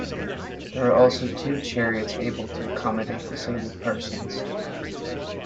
There are also two chariots able to accommodate disabled persons.